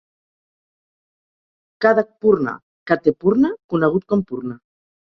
Khadakpurna, Katepurna, conegut com Purna.